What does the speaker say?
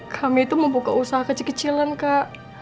kami tuh mau buka usaha kecil kecilan kak